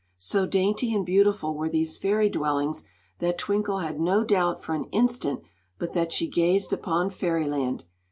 So dainty and beautiful were these fairy dwellings that Twinkle had no doubt for an instant but that she gazed upon fairyland.